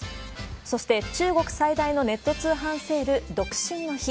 そして、中国最大のネット通販セール、独身の日。